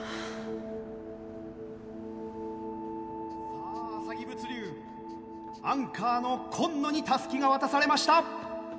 さあアサギ物流アンカーの紺野にたすきが渡されました。